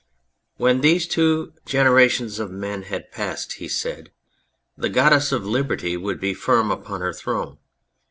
When these two generations of men had passed, he said, the Goddess Liberty would be firm upon her throne.